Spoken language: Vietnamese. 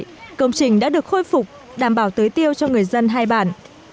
công trình đã được khôi phục đảm bảo tưới tiêu cho người dân hai bản